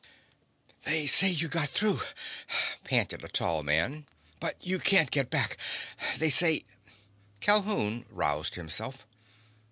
"They say you got through," panted a tall man, "but you can't get back. They say—" Calhoun roused himself.